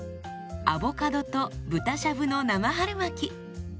アボカドと豚しゃぶの生春巻き。